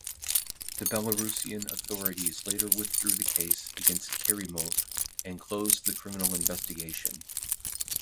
The Belarusian authorities later withdrew the case against Kerimov and closed the criminal investigation.